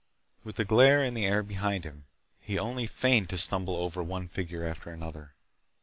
With the glare in the air behind him, he only feigned to stumble over one figure after another.